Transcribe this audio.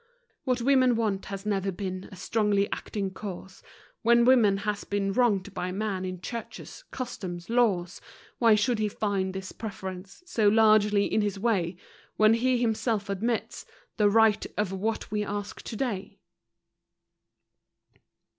What women want has never been a strongly acting cause, When woman has been wronged by man in churches, customs, laws; Why should he find this preference so largely in his way, When he himself admits the right of what we ask today?